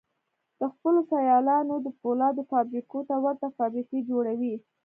د خپلو سيالانو د پولادو فابريکو ته ورته فابريکې جوړوي.